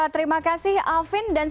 terima kasih alvin dan